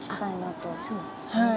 あっそうですね。